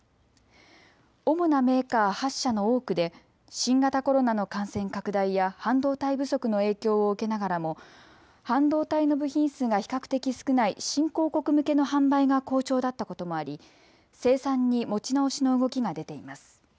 主なメーカー８社の多くで新型コロナの感染拡大や半導体不足の影響を受けながらも半導体の部品数が比較的少ない新興国向けの販売が好調だったこともあり生産に持ち直しの動きが出ています。